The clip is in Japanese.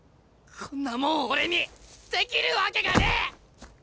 こんなもん俺にできるわけがねえ！